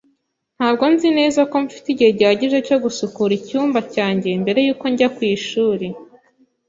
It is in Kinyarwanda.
Ntabwo nzi neza ko mfite igihe gihagije cyo gusukura icyumba cyanjye mbere yuko njya ku ishuri.